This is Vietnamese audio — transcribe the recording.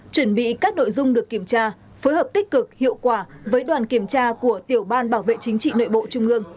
chuẩn bị các nội dung được kiểm tra phối hợp tích cực hiệu quả với đoàn kiểm tra của tiểu ban bảo vệ chính trị nội bộ trung ương